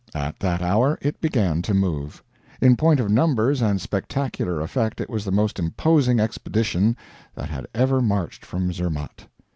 At that hour it began to move. In point of numbers and spectacular effect, it was the most imposing expedition that had ever marched from Zermatt.